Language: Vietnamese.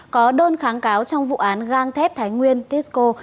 có đơn kháng cáo trong vụ án gang thép thái nguyên tisco